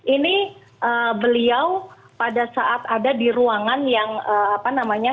ini beliau pada saat ada di ruangan yang apa namanya